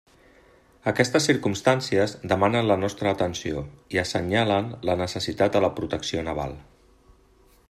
Aquestes circumstàncies demanen la nostra atenció i assenyalen la necessitat de la protecció naval.